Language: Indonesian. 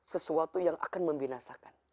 sesuatu yang akan membinasakan